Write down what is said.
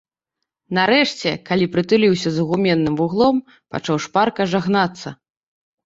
Нарэшце, калі прытуліўся за гуменным вуглом, пачаў шпарка жагнацца.